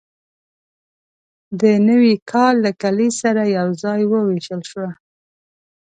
د نوي کال له کلیز سره یوځای وویشل شوه.